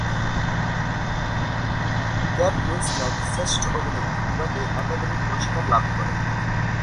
Kate Winslet শ্রেষ্ঠ অভিনেত্রী বিভাগে একাডেমি পুরস্কার লাভ করেন।